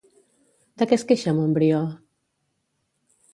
De què es queixa Montbrió?